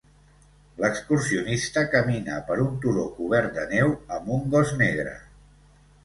L'excursionista camina per un turó cobert de neu amb un gos negre.